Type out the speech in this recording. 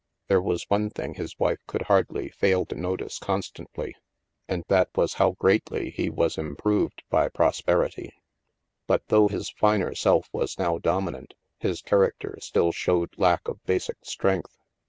There was one thing his wife could hardly fail THE MAELSTROM 255 to notice constantly, and that was how greatly he was improved by prosperity. But though his finer self was now dominant, his character still showed lack of basic strength.